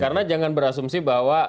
karena jangan berasumsi bahwa